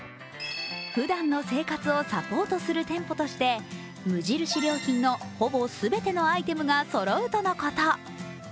ふだんの生活をサポートする店舗として無印良品のほぼ全てのアイテムがそろうとのこと。